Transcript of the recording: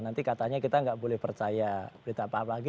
nanti katanya kita nggak boleh percaya berita apa apa lagi